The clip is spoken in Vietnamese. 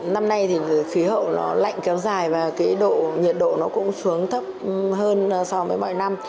năm nay thì khí hậu nó lạnh kéo dài và cái độ nhiệt độ nó cũng xuống thấp hơn so với mọi năm